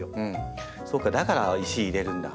そうかだから石入れるんだ。